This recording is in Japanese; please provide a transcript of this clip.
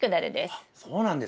あっそうなんですね。